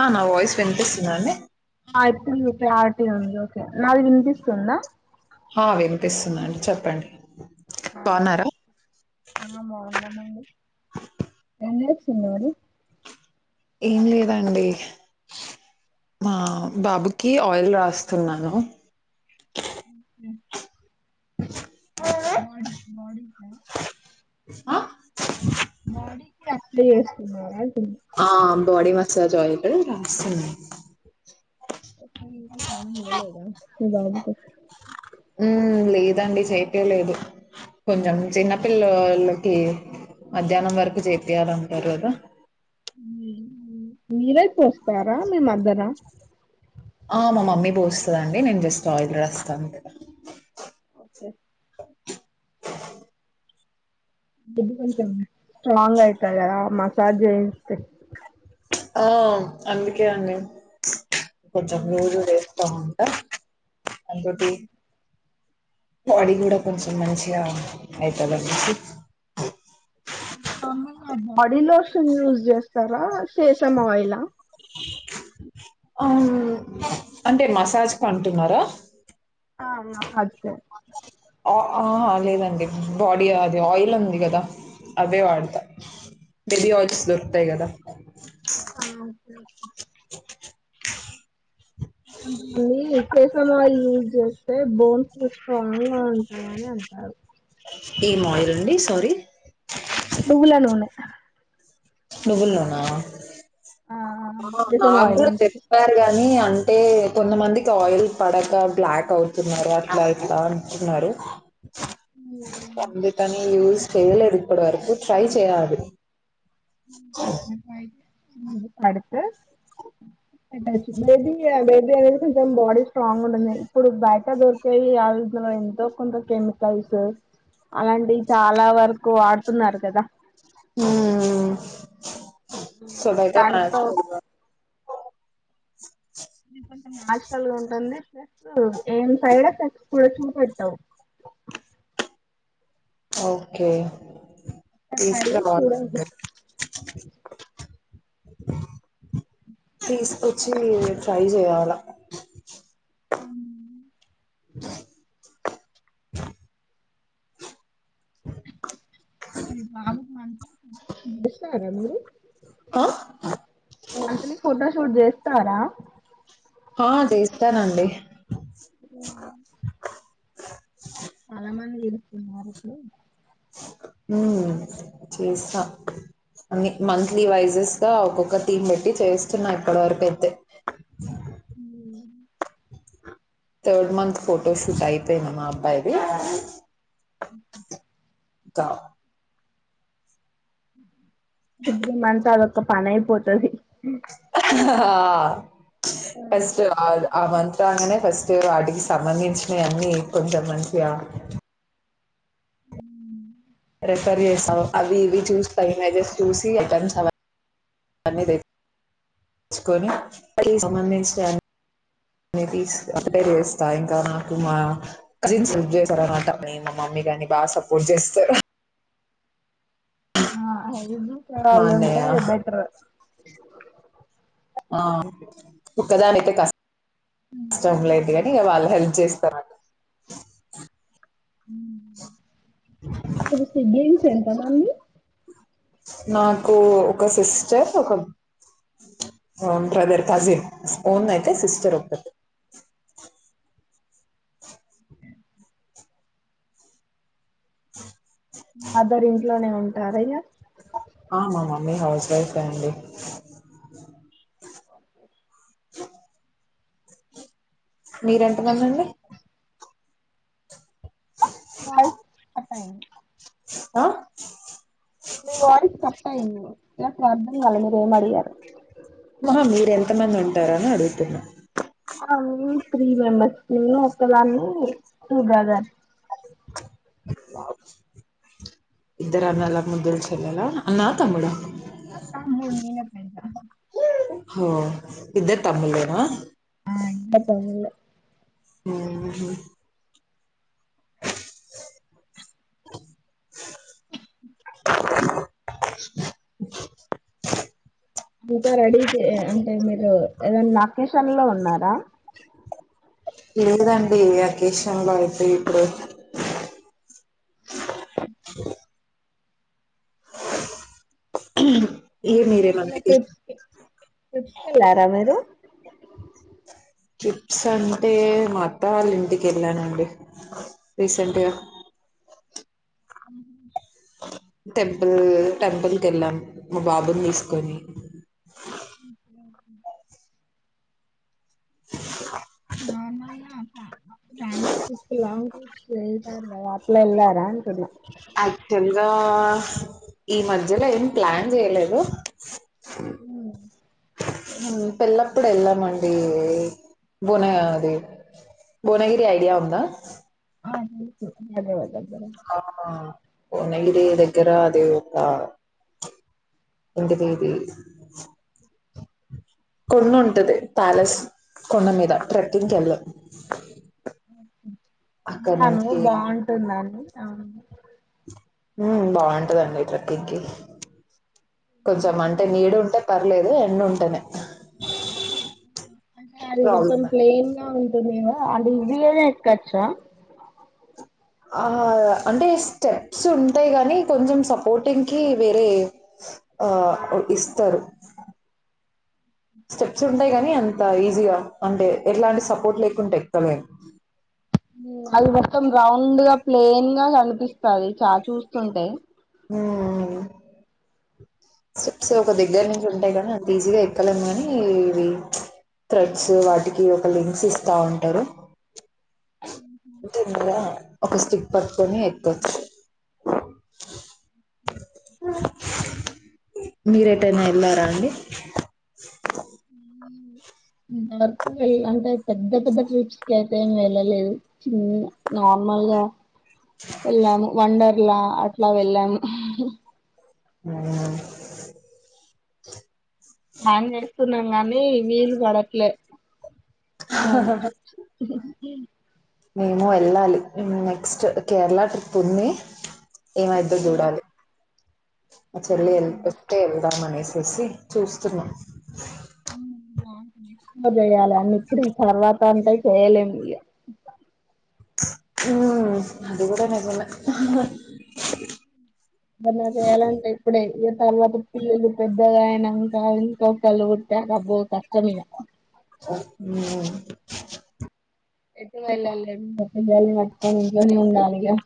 ఆ నా వాయిస్ వినిపిస్తుందా అండి ఆ ఎ ప్రి క్లారిటీ ఉంది ఓకే నాది వినిపిస్తుందా ఆ వినిపిస్తుందండి చెప్పండి బావున్నారా? ఏం చేస్ ఎవరు ఏం లేదండి మా బాబుకి ఆయిల్ రాస్తున్నాను మ్మ్ [inaudible] మోడీ మోడీ ఆ ఆ బాడీకి అప్లై చేస్తున్నారా అంటున్న ఆ బాడి మసాజ్ ఆయిల్ రాస్తున్నా మీ బాబుకు హ్మ్ లేదండి చేపీయలేదు కొంచెం చిన్నపిల్లలకి మధ్యాహ్నం వరకు చేపీయాలంటారు కదా మీరే చేస్తారా మీ మదరా ఆ మా మమ్మీ పోస్తదండి నేను జస్ట్ ఆయిల్ రాస్తాను అంతే [inaudible] [unintelligible] కొంచెం స్ట్రాంగ్ అయితది గదా మసాజ్ చేయిస్తే ఆ అందుకే అండి కొంచం [unintelligible] అ ఒకటి అది కూడా కొంచెం మంచిగా అయితలే బాడీ లోషన్ యూజ్ చేస్తారా సీసమ్ ఆయిలా ఆ అంటే మసాజ్ పంటున్నారా ఆ అంతే ఆ ఆహ లేదండి బాడీ అది ఆయిల్ ఉంది కదా అదే వాడతా బెబి ఆయిల్స్ దొరుకుతాయి కదా [inaudible] ఆఓకేఓే కొంతమంది జాస్మిన్ ఆయిల్ యూజ్ చేస్తే బోన్స్ స్ట్రాంగ్ గా ఉంటాయని అంటారు ఈ మాయిల్ అండి సారీ నువ్వులనూనె నువ్వులనూనా ఆ ఆ సేసన్ ఆయిల్ నగ్గూడ అంటరు చెప్పారు గాని కానీ అంటే కొంతమందికి ఆయిల్ పడక బ్లాక్ అవుతున్నారు అట్లా ఇట్లా అంటున్నారు అందుకని యూస్ చేయలేదు ఇప్పటి వరకు ట్రై చేయాలి [unintelligible] అడుతె బేబీ ఆయిల్ ఇ అనేది కొంచెం బాడీ స్ట్రాంగ్ ఉంటుంది ఇప్పుడు బయట దొరికేవి అందులో ఎంతో కొంత కెమికల్స్ అలాంటివి చాలా వరకు వాడుతున్నారు కదా ఉమ్ సోభయతే కా [unintelligible] నీ ఫ్రెండ్స్ అందరూ హస్టల్ లో ఉంటుంది రెస్ట్ రూమ్ ఏం సైడక ట్యూషన్ పెడతావ్ ఓకే ట్రై తీసుకర చేసి చూడండి వాళ్ళందర్నీ తీసుకొచ్చి మీరు ట్రై చేయాల ఇస్తార మీరు ఆ మంత్లీ ఫోటోషూట్ చే తారా ఆ చేస్తానండి అ చాలా మంది మాకు హ్మ్ చేస్తా అన్నీ మంత్లీ వైజ్ గా ఒక్కొక్క థీమ్ పెట్టి చేస్తున్నా ఇప్పటి వరకు అయితే. అవునా థర్డ్ మంత్ ఫొటోషూట్ అయిపోయింది మా అబ్బాయిది ఉహు కా అ ఇప్ ఈ మంతా అద ఒక పనయిపోతది. అహా హా ఫస్ట్ ఆ ఆ మంథ్ రాంగానే ఫస్ట్ వాటికి సంబంధించినయన్ని కొంచెం మంచిగా ఉ ప్రిపేర్ చేస్తా అవి ఇవి చూసి పై ఇమజెస్ చూసి అటెంస్ అవన్నీ తెచ్చుకొని సంబంధించిన అ తీస్ అక్కడే చేస్తా ఇంకా నాకు మా కజిన్స్ హెల్ప్ చేస్తారనమాట నేను మా మమ్మీ కాని బాగా సపోర్ట్ చేస్తరు. ఆ హెల్ మా చడాల అన్నయ్య ఉంటే బెటర్ ఆ పక్కదా ఒక్క దాన్నయితే కష్ కష్టం లేదు కానీ ఇక వాళ్ళు హెల్ప్ చేస్తార్ హ్మ్ మీరు స్విగ్గీ ను ర మాండి నాకు ఒక సిస్టర్ ఒక ఓన్ బ్రదర్ కజిన్ ఓన్ అయితే సిస్టర్ ఒక్కతె ఆ మదర్ ఇంట్లోనే ఉం ంటరా ఇగా ఆ మమ్మీ హౌస్ వైఫే అండి అ మీర ఎంతమందండి. మాయ్ ఒక్కటైంది. ఆ మీ వాయిస్ కట్ట అయింది నాకు అర్థం కాలె మీరేం అడిగారో. ఆహా మీరెంతమంది ఉంటారని అడుగుతున్నా. ఆ మేము త్రీ మెంబెర్స్ నేను ఒక్కదాన్ని టూ బ్రదర్. ఇద్దర అన్నల ముద్దుల చెల్లలా అన్నా తముడా తమ్ముడ్ నేనే పెద్దా ఇద్దర్ తమ్ముళ్ళేనా ఆ ఇన్న తోమిల్లే ఆహ్ ఇంకా రెడీ చే అంటే మీరు ఏదైనా అకేషన్ లో ఉన్నారా లేదండి అకేషన్ లో అయితే ఇప్పుడు ఈ ఏ మధ్య మీరేమన్నా ఎటెళ్లావ్ ట్రిప్స్ కి ట్రిప్స్ కెళ్లారా మీరు ట్రిప్స్ అంటే మా అత్త వాళ్ళ ఇంటికి వెళ్ళానండి రీసెంట్ గా, అమ్ టెంపుల్ టెంపుల్ కెళ్ళాం మా బాబుని తీసుకొని ఓకే ఓకే ఆ నార్మల్ గా ఆ దాని గురించి చూస్తు లావుంటి [unintelligible] [unintelligible] యాక్చువల్గా ఈ మధ్యలో ఏం ప్లాన్ జేయలేదు మ్మ్ హ్మ్ పిల్లప్పుడు వెళ్ళామండి భువన అది భువనగిరి ఐడియా ఉందా, ఆ తెలుసు ధన్యవాదాలు అవునా పోన ఎగిది దగ్గర అది ఒక ఏంటిది ఇది కొండ ఉంటది, ప్యాలెస్ కొండ మీద ట్రెక్కింగ్కి కేళ్. అను బాగుంటుందా అండి అవును హ్మ్ బాగుంటదండి ట్రెక్కింగ్కి కొంచెం అంటే నీడు ఉంటే పర్లేదు ఎండ ఉంటనే అంటే అదేవర్తోన్ ప్లేన్ గా ఉన్ అంటే ఇది ఏద ఎక్కచ్చా ఆ హా అంటే స్టెప్స్ ఉంటాయి గానీ కొంచెం సపోర్టింగ్కి వేరే ఆ ఇస్తారు స్టెప్స్ ఉంటాయి కానీ అంత ఈజీగా, అంటే ఎట్లా అంటే సపోర్ట్ లేకుంటే ఎక్కలేము ఇగ అది మొత్తం రౌండ్ గా ప్లెయిన్ గా కనిపిస్తాది చా చూస్తుంటే హ్ ఆది స్టెప్స్ ఒక దగ్గర నుంచి ఉంటాయి గాని అది అంత ఈజీగా ఎక్కలేము కాని ఇవి థ్రెడ్స్ వాటికి ఒక లింక్స్ ఇస్ తా ఉంటరు టెన్ గా ఒక స్టిక్ పట్టుకొని ఎక్కోచ్చు అ అ జు మీరేటైనా వెళ్లారా అండి ఇంతవరకు అంటే పెద్ద పెద్ద ట్రిప్స్ కి అయితే ఏం వెళ్ళలేదు చి నార్మల్గా ఎలావండ అట్లా అట్లా వెళ్ళాము ఆ హా చతున్నాం గానీ నీళ్లుు పడట్లే వాళకి ఏ మేము వెళ్ళాలి నెక్స్ట్ కేరళ ట్రిప్ ఉంది ఏమైద్దో చూడాలి ఆ చెల్లి ఎల్ పెస్తే ఎల్దా మనేసు తెసి చూస్తున్నాం చేయాలి అన్న ఇప్పుడు తర్వాత అంటే చేయలేం ఇ ఉ అది కూడాడనేకున్నా అ ఎలాంటే ఇప్పుడే ఈ తర్వాత పిల్లలు పెద్దగా అయినా ఇంకా ఇంకొకళ్ళు కొట్టేకబ్బో కష్టం ఇద ఉ ఎటు వెళ్ళాలి ఏమో పిల్లల్ని పెట్టుకోని ఇంట్లో నేఉండాలిగా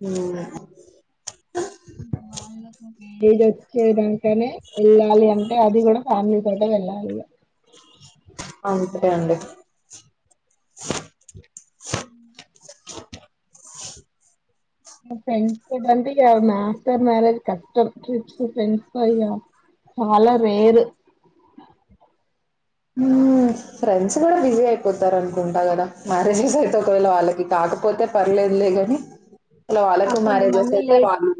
హ్మ్ నేను వచ్చి చేయడానికనే వెళ్ళాలి అంటే అది కూడా ఫ్యామిలీ తోటే వెళ్ళాలిగ ఇప్పుడే అండి ఫ్రెండ్స్ తోటి అంటే ఇక ఆఫ్టర్ మ్యారేజ్ కష్టం ట్రిప్స్ ఫ్రెండ్స్ తో ఇక చాలా రేరు ఫ్రెండ్స్ కూడా బిజీ అయిపోతారు అనుకుంటా కదా మ్యారేజెస్ అయితే ఒకవేళ వాళ్ళకి కాకపోతే పర్లేదులే గాని హలో ఆ వాళ్ళకు మ్యారేజెస్ కొంతమంది అయితే లేట్ వాళ్ళు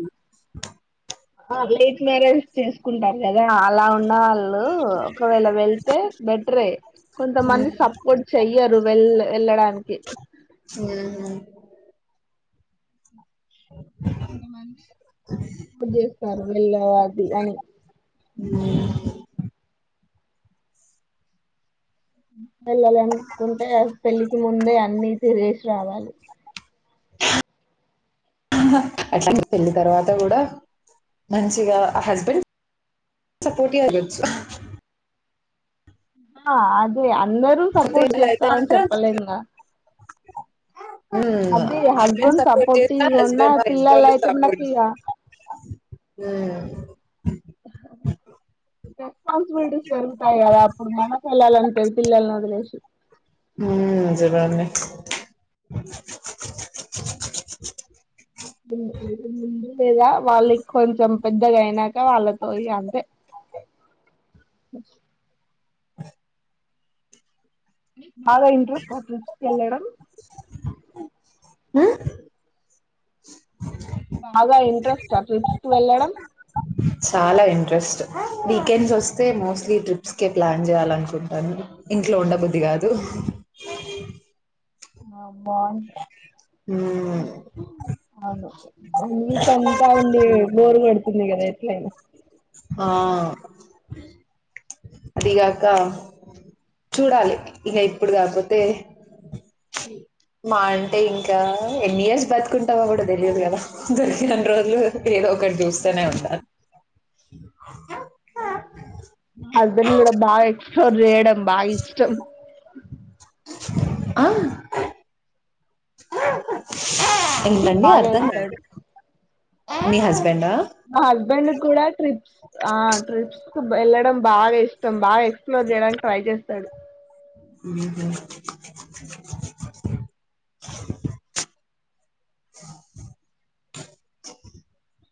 లేట్ మ్యారేజ్ చేసుకుంటారు కదా అలా ఉన్నవాళ్ళు ఒకవేళ వెళ్తే బెటరే హ్మ్. కొంతమంది సపోర్ట్ చెయ్యరు వెళ్ వెళ్ళడానికి హ్మ్. ఇప్పుడు చేస్తారు వెళ్ళేవా అది అని వెళ్ళాలనుకుంటే పెళ్ళికి ముందే అన్ని తిరిగేసి రావాలి అట్లా పెళ్ళి తర్వాత కూడా మంచిగా ఆ హస్బెండ్ సపోర్టివ్ అయ్వొచ్చు ఆ అదేయా అందరూ కాకపోతే సపోర్ట్ వీళ్ళైతే చేస్తారని మాత్రం చెప్పలేంగా హ్మ్. అదే హస్బెండ్ సపోర్ట్ సపోర్టివ్ జేసినా గా ఉన్నా హస్బెండ్ వాళ్ళ ఇంట్లో పిల్లలు వాళ్ళు అయితే మనకి సపోర్ట్ జే ఇగ హ్మ్. రెస్పాన్సిబిలిటీస్ పెరుగుతాయి కదా అప్పుడు మనకి వెళ్లాలనిపియదు పిల్లల్ని వదిలేసి. మ్మ్ నిజమే అండి [unintelligible] ముందు లేదా వాళ్ళకి కొంచెం పెద్దగాయినాక వాళ్ళతో ఇగ అంతే ని బాగా ఇంట్రెస్ట్ తో ట్రిప్స్ కెళ్ళడం హ్మ్ బాగా ఇంట్రెస్ట్ తో ట్రిప్స్ కు వెళ్ళడం చాలా ఇంట్రెస్ట్ వీకెండ్స్ వస్తే మోస్ట్లీ ట్రిప్స్కే ప్లాన్ చేయాల అనుకుంటాను ఇంట్లో ఉండబుద్ధి కాదు. వావ్ బాగుంటది హ్మ్ అవును వన్ వీక్ అంతా ఉండి బోరు కొడు తుంది కదా ఎట్లైనా ఆ అదిగాక చూడాలి ఇగ ఇప్పుడు కాకపోతే మహా అంటే ఇంకా ఎన్ని ఇయర్స్ బతుకుంటామో కూడా తెలియదు కదా దొరికిన్ని రోజులు ఏదో ఒకటి జూస్ తూనే ఉండాలి అక్క హస్బెండ్ కూడా బాగా ఎ సేడంం బా ఇష్టం ఆ ఏంటనండి బాగా అర్థం నిహస్ ఆ హస్బెండ్ కూడాడా ట్రిప్స్ ఆ ట్రిప్స్ వెళ్ళడం బాగా ఇష్టం బాగా ఎక్స్ప్లోర్ చేయడానికి ట్రై చేస్తాడు ఇ